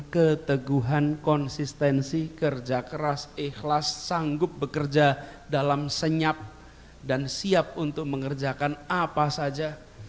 keteguhan konsistensi kerja keras ikhlas sanggup bekerja dalam senyap dan siap untuk mengerjakan apa saja